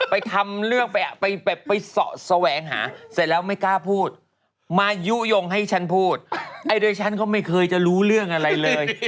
ไปทำเรื่องไปเสาะแสวงหาเสร็จแล้วไม่กล้าพูดมายุโยงให้ฉันพูดไอ้โดยฉันก็ไม่เคยจะรู้เรื่องอะไรเลย